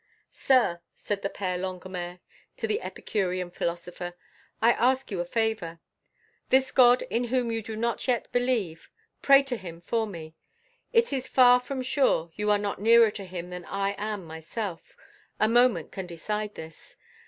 "Sir," said the Père Longuemare to the Epicurean philosopher, "I ask you a favour; this God in whom you do not yet believe, pray to Him for me. It is far from sure you are not nearer to Him than I am myself; a moment can decide this.